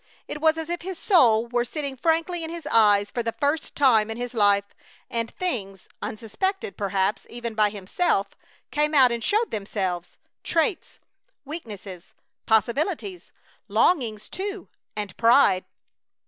It was as if his soul were sitting frankly in his eyes for the first time in his life, and things unsuspected, perhaps, even by himself, came out and showed themselves: traits, weaknesses, possibilities; longings, too, and pride.